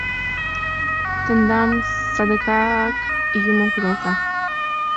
Тендам садыгак юмо кудалта!